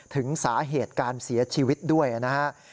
ถึงสาเหตุการเสียชีวิตด้วยนะฮะ